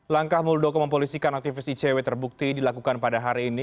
langkah muldoko mempolisikan aktivis icw terbukti dilakukan pada hari ini